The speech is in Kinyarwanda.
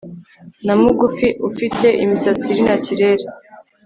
na mugufi ufite imisatsi iri naturel